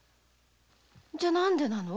じゃ何でなの？